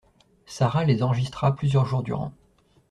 Sara les enregistra plusieurs jours durant